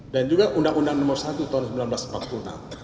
dan juga undang undang nomor satu tahun seribu sembilan ratus empat puluh enam